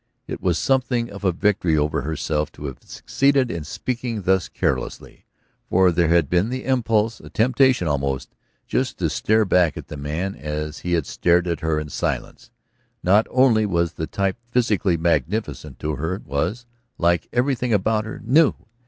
It was something of a victory over herself to have succeeded in speaking thus carelessly. For there had been the impulse, a temptation almost, just to stare back at the man as he had stared at her and in silence. Not only was the type physically magnificent; to her it was, like everything about her, new.